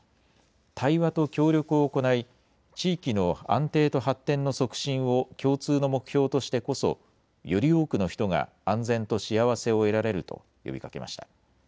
対話と協力を行い、地域の安定と発展の促進を共通の目標としてこそ、より多くの人が安全と幸せを得られると呼びかけました。